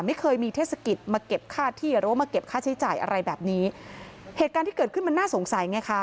ไม่เคยมีเทศกิจมาเก็บค่าที่หรือว่ามาเก็บค่าใช้จ่ายอะไรแบบนี้เหตุการณ์ที่เกิดขึ้นมันน่าสงสัยไงคะ